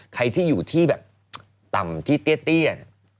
ใครที่อยู่ที่แบบต่ำที่เตี้ย